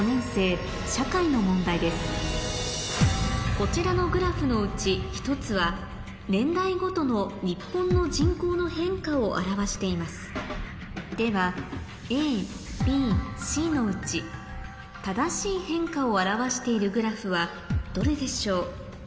こちらのグラフのうち１つは年代ごとの日本の人口の変化を表していますではＡＢＣのうち正しい変化を表しているグラフはどれでしょう？